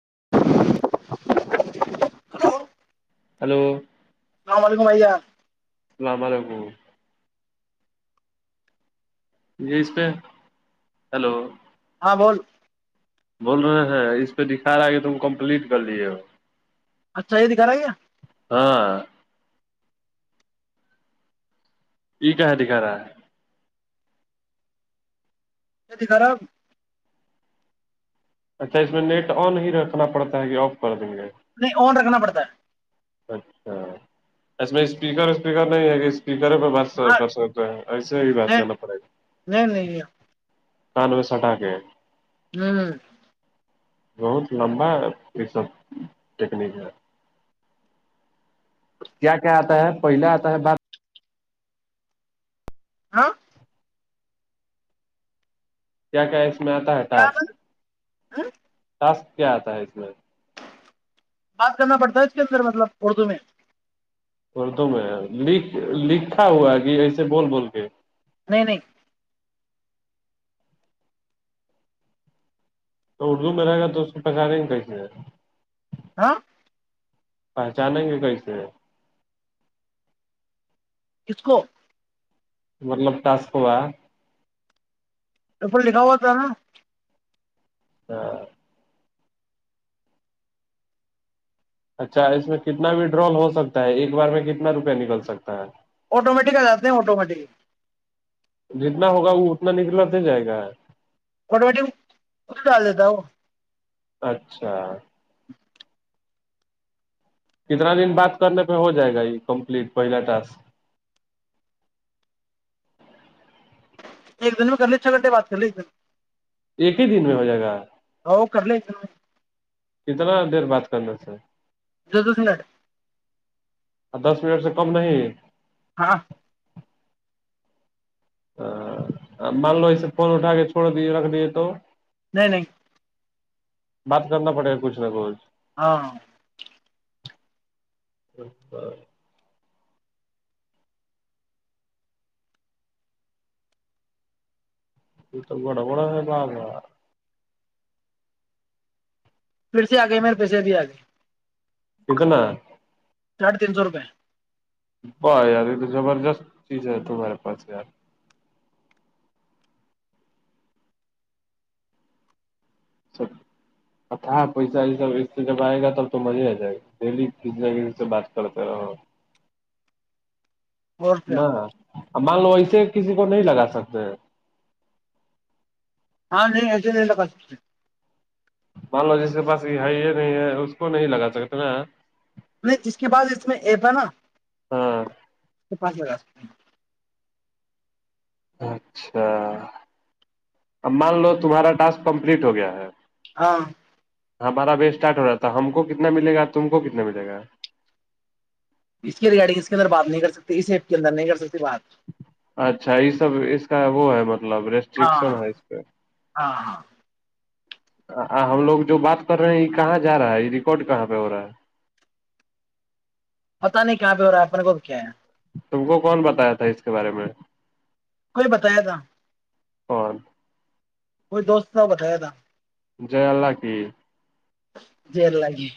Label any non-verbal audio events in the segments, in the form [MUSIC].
[INAUDIBLE] [UNINTELLIGIBLE] السلام علیکمھیا اللام علیکم [UNINTELLIGIBLE] یہ اس پہ ہلو [INAUDIBLE] ہاں بول بول رہے ہیں اس پہ دکھا رہا ہے کہ تم کمپلیٹ کر لیجے ہو اچھا یہ دکھ رہا ہے کیا ہاں یہ کہ دکھا رہا ہے یہت خراب اچھا اس میں نیٹ آن ہی رکھنا پڑتا ہے کہ آف کر دیں گے نہیں آن رکھنا پڑتا ہے اچھا اس میں اسپیکر اسپیکر نہیں ہے کہ اسپیکر پہ بات ہاں کر سکتے ہیں ایسے ہی بات کرنا پڑے نہیں گا نہیں کان میں سٹا کے [UNINTELLIGIBLE] بہت لمبا یہ سب ٹیکنیک ہے کیا کیا آتا ہے پہل آتا ہے بات [UNINTELLIGIBLE] کیا کہ میں آتا ہے ٹاسک ٹاسک کیا آتا ہے اس میں بات کرنا پڑتا ہے اس کے اندر مطلب اردو میں اردو میں ل لکھا ہوا کہ ایسے بول بول کے نہیں نہیں تو اردو میں رہے گا تو اس کو پہچانیں گے کیسی [UNINTELLIGIBLE] پہچانیں گے کیئیسے کس کو مطلب ٹاسکو ہے پپر لکھا ہوا تھا ہے نا ہاں اچھا اس میں کتنا وڈرول ہو سکتا ہے ایک بار میں کتنا روپیہ نکل سکتا ہے آٹومیٹک آ جاتے ہیں آٹومیٹکلی جتنا ہوگا وہ اتنا نکلا تو جائے گا وٹ مٹی ک ڈال دیتا وہ اچھا کتنا دن بات کرنے پہ ہو جائے گا یہ کمپلیٹ پہلا ٹاسک ایک دن میں کر لی چھ گھنٹے بات کر لی ایک دھر ایک ہی دن میں ہو جائے گا ہ کر ل کتنا دیر بات کرنا سر دس دس منٹ [UNINTELLIGIBLE] [UNINTELLIGIBLE] [UNINTELLIGIBLE] [UNINTELLIGIBLE] نہیں نہیں بات کرنا پڑے گا کچھ نہ کچھ ہاں [UNINTELLIGIBLE] یہ تو بڑا بڑا ہے باب [UNINTELLIGIBLE] [UNINTELLIGIBLE] ساھے تین سو روپئے واہ یار یہ تو زبردست چیز ہے تمہارے پاس یار سب اچھ پیسہ یہ سب اس سے جب آئے گا تب تو مزے آ جائے گا ڈیلی ک سے بات کرتے رہو اور روپیہ [UNINTELLIGIBLE] ا مان لو ایسے کسی کو نہیں لگا سکتے ہیں ہاں نہیں ای ل لو بس مان لو جس کے پاس یہ ہے یہ نہیں ہے اس کو نہیں لگا سکتے ن نہیں ج کے بعس اس میں ایپ ہے نا ہاں پانچ ہزار ا اچھا اب مان لو تمہارا ٹاسک کمپلیٹ ہو گیا ہے ہاں ہمارا وی اسٹارٹ ہو رہا تھا ہم کو کتنا ملے گا تم کو کتنا ملے گا اس کے ریگارڈنگ اس کے اندر بات نہیں کر سکتے اس ایفٹ کے انر نہیں کر سکتے بات اچھا یہ سب اس کا وہ ہے مطلب ہاں ریسٹرکشن ہے اس پہ ہاں ہاں ہم لوگ جو بات کر رہے ہیں یہ کہاں جا رہا ہے یہ ریکارڈ کہاں پہ ہو رہا ہے پتا نہیں کہاں پہ ہو رہا ہے اپنے کوب کیا ہے تم کو کون بتایا تھا اس کے بارے میں کوئی بتایا تھا کون کوئی دوست صاح بتایا تھا جے اللہ کی جر لگی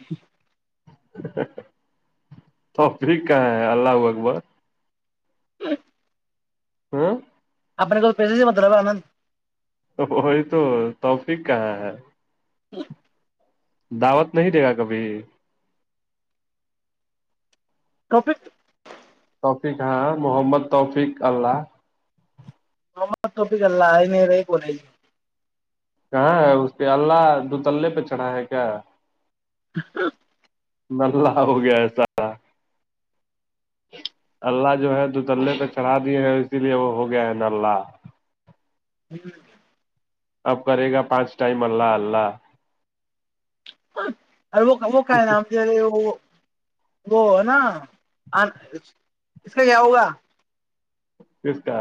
تو پھر کہ ہے ال اکبر ہوں اپنے کول پیسے سے مطلب آناند تو وہی تو توفق کہاں ہے [INAUDIBLE] دعوت نہیں دے گا کبھی ٹفک توفیق ہاں محمد توفیق اللہ [INAUDIBLE] کہاں ہے اس کے اللہ دو تلے پہ چڑھا ہے کیا [INAUDIBLE] ملہ ہو گیا ای ساا اللہ جو ہے دوتلنے پہ چڑھا دیے ہیں اور اسی لیے وہ ہو گیا ہے ن اللہ نہیں اب کرے گا پانچ ٹائم اللہ اللہ [INAUDIBLE] وہ ہے نا اس کا کیا ہوگا کس کا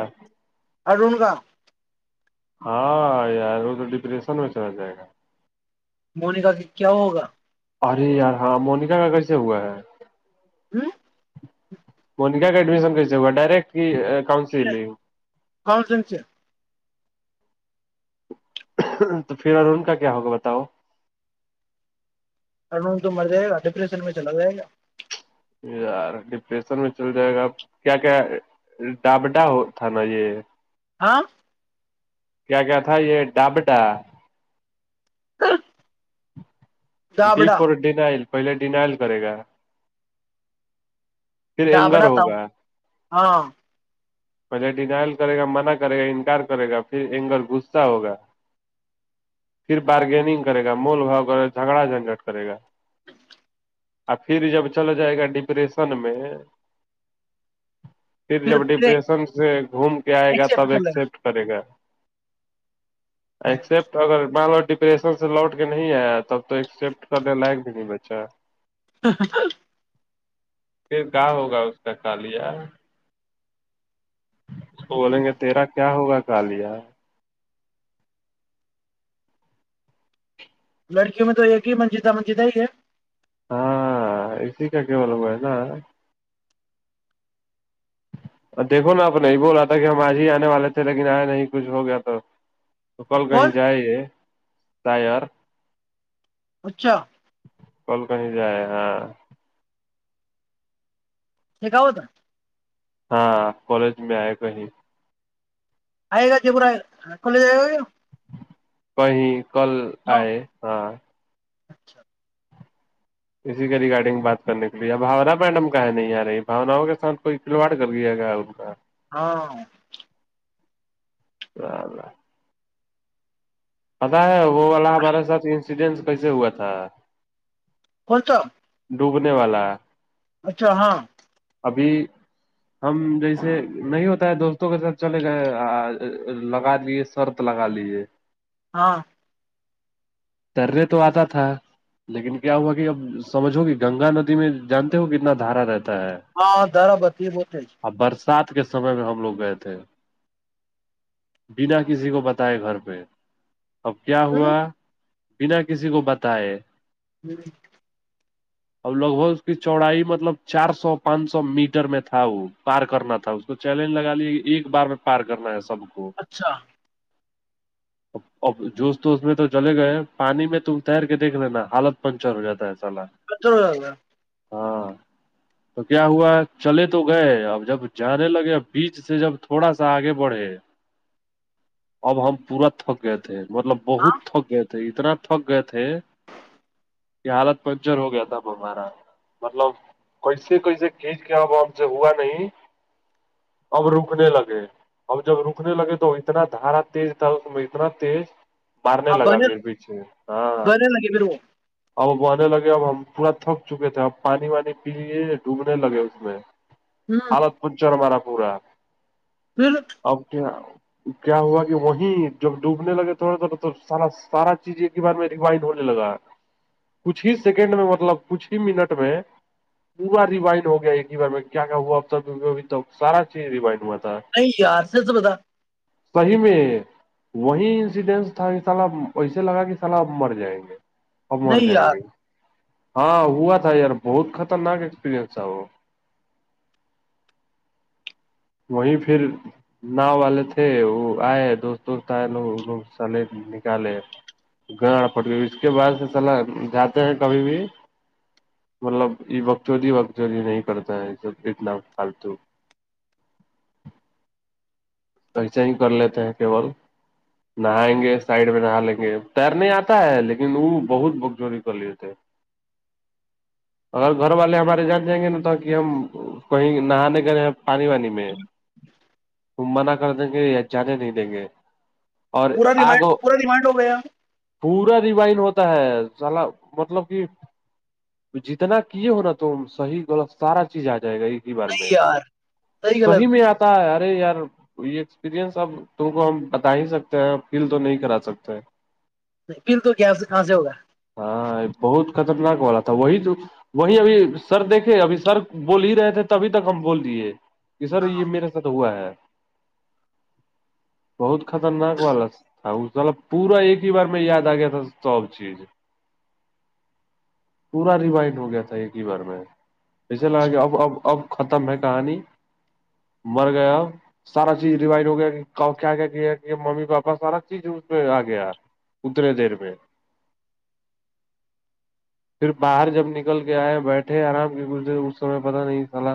ا رون گاں ہاں یار وہ تو ڈپریشن میں چلا جائے گا مونکا کی کیا ہوگا ارے یار ہاں مونکا کا کیسے ہوا ہے ہوں مونیکا کا ایڈمیشن کیسے ہوا ڈارک کہ کونسلگ ہ سن سے تو پھر اور ان کا کیا ہوگا بتاؤ تو مر جائے گا ڈپریشن میں چلا جائے گا [INAUDIBLE] یار ڈپریشن میں چل جائے گا کیا کیا ڈابڈا ہو تھا نا یہ ہاں کیا کیا تھا یہ ڈاب ڈا [INAUDIBLE] [INAUDIBLE] پہلے ڈینائل کرے گا پھر اینگر دابڑا تھا ہو گیا ہاں مھے ڈینائل کرے گا منع کرے گا انکار کرے گا پھر اینگھر گصہ ہوگا پھر بارگیننگ کرے گا مول بھاؤ کر جھگڑا جھنجٹ کرے گا آ پھر جب چلا جائے گا ڈپریشن میں پھر جب ڈی شن سے گھوم کے آئے ایک گا تب کلر ایکسپٹ کرے گا ایکسپٹ اگر [INAUDIBLE] ڈپریشن سے لوٹ کے نہیں آیا تب تو ایکسپٹ کرنے لائق بھی نہیں بچہ [INAUDIBLE] پھر کا ہوگا اس کا کالیہ تو بولیں گے تیرا کیا ہوگا [INAUDIBLE] لڑکیوں میں تو ایک ہی منجتا منجید ہی ہے ہاں اسی کا کےول وہ ہے نا دیکھو نا آپ نہیں بول رہا تھا کہ ہم آج ہی آنے والے تھے لیکن آئے نہیں کچھ ہو گیا تو تو کل کہیں کون جائے یہ ائر [INAUDIBLE] اچھا کل کہیں جائے ہاں یہ کا ہوتا ہاں کالج میں آئے کہیں آئے گا جے پورا کھلیے جائے گا [INAUDIBLE] کہیں کل کیا آئے ہاں اچھا اسی کا ریگارڈنگ بات کرنے کے لیےب بانا میڈم کا ہے نہیں آ رہی باناؤں کے ساتھ کوئی کھلواڑ کر لیا گیا ان کا ہاں باب پتا ہے وہ والا ہمارے ساتھ انسیڈینٹ کیسے ہوا تھا کو توو ڈوبنے والا ہے اچھا ہاں ابھی ہم جیسے نہیں ہوتا ہے دوستوں کے ساتھ چلے گئے لگا لیجے شرط لگا لیجے ہاں ترے تو آتا تھا لیکن کیا ہوا کہ اب سمجھو گ گنگا ندی میں جانتے ہو کتنا دھارا رہتا ہے ہاں در بتی ب تھے سات کے سمے میں ہم لوگ گئے تھے بنا کسی کو بتائے گھر پہ اب کیا ہوا بنا کسی کو بتائے جی اب لگ بھگ اس کی چوڑائی مطلب چار سو پانچ سو میٹر میں تھا وہ پار کرنا تھا اس کو چیلنج لگا لیا کہ ایک بار میں پار کرنا ایسا سب کو اچھا اب اب جوس تو اس میں تو چلے گئے پانی میں تو اتیر کے دیکھ لینا حالت پنچر ہو جاتا ہے سالا کچ گا ہاں تو کیا ہوا چلے تو گئے اب جب جانے لگے بیچ سے جب تھوڑا سا آگے بڑھے اب ہم پورا تھک گئے تھے مطلب بہت ہاں تھک اتنا تھک گئے تھے یہ حالت پنچر ہو گیا تھاب ہمارا مطلب کیسے کیسے کھینچ کے اب ہم سے ہوا نہیں اب رکنے لگے اب جب رکنے لگے تو اتنا دھارا تیز تھا اس میں اتنا تیز مارنے آپ لگا بنے پھر پیچھے ہاں بنے لگے پھر وہ اب ا آنے لگے اب ہم پورا تھک چکے تھے اب پانی وانی پیے ڈوبنے لگے اس میں ہ حالت پنچ اور ہمارا پورا پھر اب کیا کیا ہوا کہ وہیں جب ڈوبنے لگے تھوڑے تھوڑے تو سارا سارا چیز بار میں ریوائنڈ ہونے لگا کچھ ہی سیکنڈ میں مطلب کچھ ہی منٹ میں پورا ریوائن ہو گیا ایک بار میں کیا کیا ہوا ا سارا چیز ریوائنڈ ہوا نہیں یار سے تو پتا صحی میں وہی انسیڈینٹس تھا اس سال وس ے لگا کہ سلاح مر جائیں گے اب مر نہیں جائیں یار گے ہاں ہوا تھا یار بہت خطرناک ایکسپرینس ہے وہ وہیں پھر ناؤ والے تھے وہ آئے دوست دوست آئے لوگوگ سل نکالے گاڑ پٹ گئے اس کے بعد سے سلا جاتے ہیں کبھی بھی مطلب یہ بکچودی وکچودی نہیں کرتا ہے سب اتنا پالتو ایسے ہی کر لیتے ہیں کیول نہائیں گے سائڈ میں نہا لیں گے تیر نہیں آتا ہے لیکن وہ بہت بک جووری کر لیتے اگر گھر والے ہمارے جان جائیں گے نا ت کہ ہم کہیں نہانے گئےے ہیں پانی وانی میں ک منا کر دیں گے یا جانے نہیں دیں گے اور پورا ریمائنڈ آگو پورا ریمائنڈ ہو گیا نہیں پورا ریوائن ہوتا ہے سال مطلب کہ جتنا کیے ہوناا تم صحیح غلط سارا چیز آ جائے گا یہ بار میں یار صحیح میں آتا رے یار تو یہ ایکسپیرئنس اب تم کو ہم بتا ہی سکتے ہیں فیل تو نہیں کرا سکتے ہیں نہیں بالکل کیاپ سے کہاں سے ہوگا ہاں بہت خطرناک والا تھا وہی تو وہی ابھی سر دیکھے ابھی سر بول ہی رہے تھے تبھی تک ہم بول دیے کہ سر یہ میرے ساتھ ہوا ہے بہت خطرناک والا تھا مب پورا ایک ہی بار میں یاد آ گیا تھا سب چیز پورا ریوائن ہو گیا تھا ایک ہی بار میں ایسے لگا کہ اب اب اب ختم ہے کہانی مر گیا سارا چیز ریوائو ہو گیا کہ کیا کیا کیا کہ ممی پاپا سارا چیز اس میں آ گیا اتنے دیر میں پھر باہر جب نکل کے آئے بیٹھے آرام کے کھ اس سمے پتا نہیں سال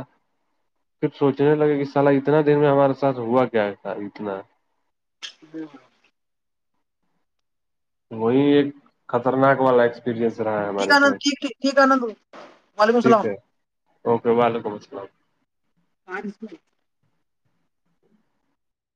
پھر سوچنے لگے کہ سال اتنا دیر میں ہمارا س ہوا کیا تھا اتنا جی ج وہی ایک خطرناک والا ایک ٹھیک آند ٹھیکیک ٹھیک آند وعلیکم ٹھیک اللام ہے اوکے وعلیکم السلام